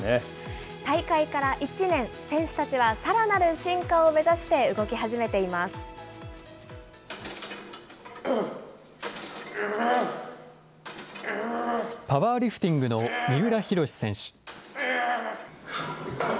大会から１年、選手たちはさらなる進化を目指して動き始めていまパワーリフティングの三浦浩選手。